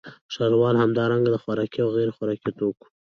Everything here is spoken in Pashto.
ښاروال همدارنګه د خوراکي او غیرخوراکي توکو